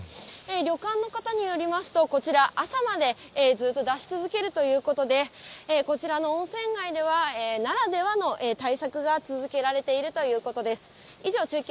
旅館の方によりますと、こちら、朝までずっと出し続けるということで、こちらの温泉街では、ならではの対策が続けられているということです。